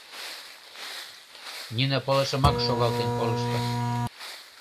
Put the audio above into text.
Нина пылышымак шогалтен колышто.